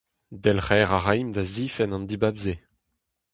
Delc'her a raimp da zifenn an dibab-se.